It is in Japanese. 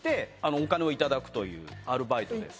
お金を頂くというアルバイトです。